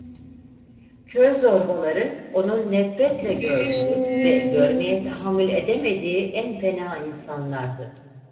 Köy zorbaları, onun nefretle gördüğü ve görmeye tahammül edemediği en fena insanlardı.